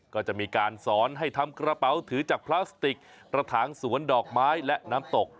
ก็จะมีการสอนให้ทำกระเป๋าถือจากพลาสติกระถางสวนดอกไม้และน้ำตก